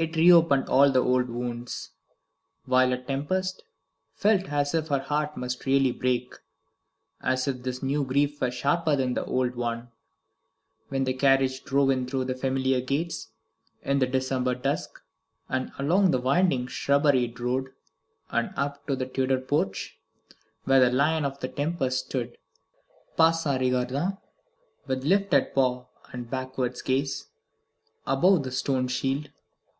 It reopened all the old wounds. Violet Tempest felt as if her heart must really break, as if this new grief were sharper than the old one, when the carriage drove in through the familiar gates, in the December dusk, and along the winding shrubberied road, and up to the Tudor porch, where the lion of the Tempests stood, passant regardant, with lifted paw and backwards gaze, above the stone shield.